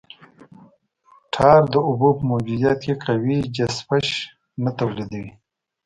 ټار د اوبو په موجودیت کې قوي چسپش نه تولیدوي